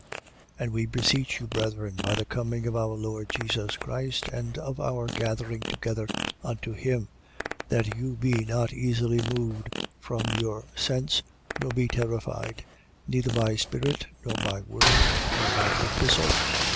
2:1. And we beseech you, brethren, by the coming of our Lord Jesus Christ and of our gathering together unto him: 2:2. That you be not easily moved from your sense nor be terrified, neither by spirit nor by word nor by epistle.